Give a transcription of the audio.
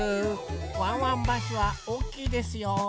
ワンワンバスはおおきいですよ。